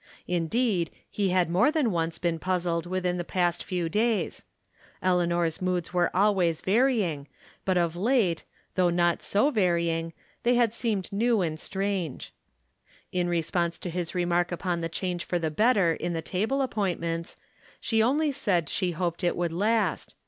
Indeed, he had more than once been puzzled within the past few days. Eleanor's moods were always varying, but of late, though not so varying, they had seemed new and strange. In response to his remark upon the change for the better in the table appointments, she only said she hoped it would last.